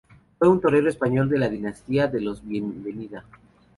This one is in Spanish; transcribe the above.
Fue un torero español de la dinastía de los Bienvenida.